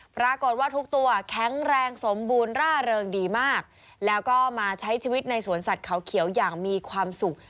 ปรากฏว่าทุกตัวแข็งแรงสมบูรณ์ร่าเริงดีมากแล้วก็มาใช้ชีวิตในสวนสัตว์เขาเขียวอย่างมีความสุข